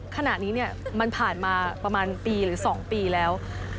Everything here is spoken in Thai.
ขณะนี้มันผ่านมาประมาณปีหรือ๒ปีแล้ว